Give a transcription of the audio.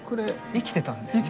生きてたんですね。